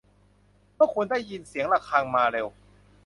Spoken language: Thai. เมื่อคุณได้ยินเสียงระฆังมาเร็ว